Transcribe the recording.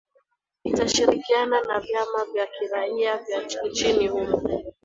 ita shirikiana na vyama vya kiraia vya nchini humo